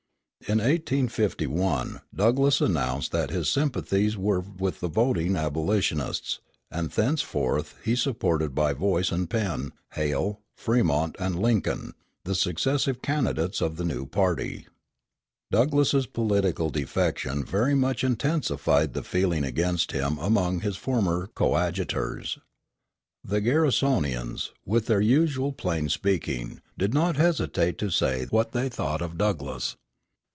In 1851 Douglass announced that his sympathies were with the voting abolitionists, and thenceforth he supported by voice and pen Hale, Fremont, and Lincoln, the successive candidates of the new party. Douglass's political defection very much intensified the feeling against him among his former coadjutors. The Garrisonians, with their usual plain speaking, did not hesitate to say what they thought of Douglass.